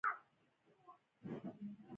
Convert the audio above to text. ته وګوره، کېدای شي بل ځای کې دې په درد وخوري.